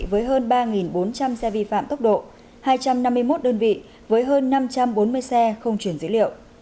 với hơn ba bốn trăm linh xe vi phạm tốc độ hai trăm năm mươi một đơn vị với hơn năm trăm bốn mươi xe không chuyển dữ liệu